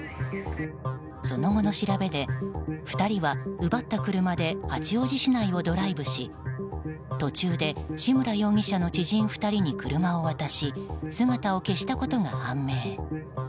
その後の調べで２人は奪った車で八王子市内をドライブし途中で志村容疑者の知人２人に車を渡し姿を消したことが判明。